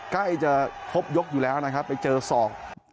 ใกล้จะครบยกอยู่แล้วนะครับไปเจอศอก